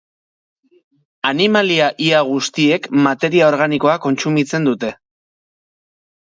Animalia Ia guztiek materia organikoa kontsumitzen dute.